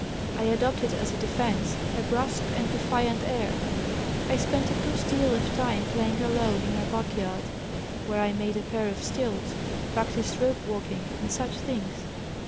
I adopted, as a defense, a brusque and defiant air. I spent a good deal of time playing alone in our backyard, where I made a pair of stilts, practised rope walking, and such things.